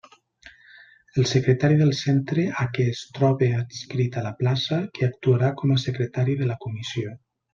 El secretari del centre a què es trobe adscrita la plaça, que actuarà com a secretari de la comissió.